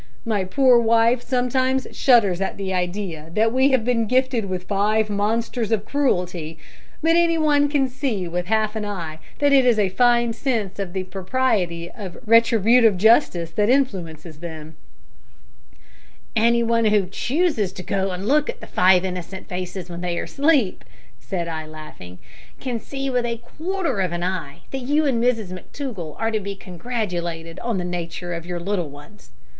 My poor wife sometimes shudders at the idea that we have been gifted with five monsters of cruelty, but any one can see with half an eye that it is a fine sense of the propriety of retributive justice that influences them." "Any one who chooses to go and look at the five innocent faces when they are asleep," said I, laughing, "can see with a quarter of an eye that you and Mrs McTougall are to be congratulated on the nature of your little ones."